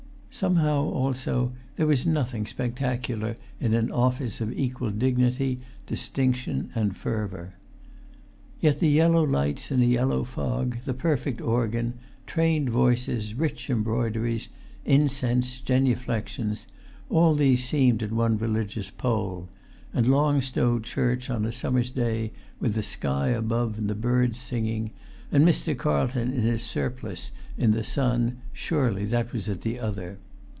Somehow also there was nothing spectacular in an office of equal dignity, distinction, and fervour. Yet the yellow lights in a yellow fog, the perfect organ, trained voices, rich embroideries, incense, genuflexions, all these seemed at one religious pole; and Long Stow church on a summer's day, with the sky above and the birds singing, and Mr. Carlton in his surplice in the sun, surely that was at the other!